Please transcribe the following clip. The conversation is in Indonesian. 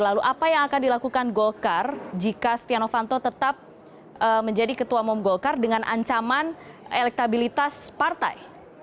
lalu apa yang akan dilakukan golkar jika stiano fanto tetap menjadi ketua umum golkar dengan ancaman elektabilitas partai